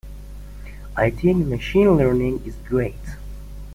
I think Machine Learning is great.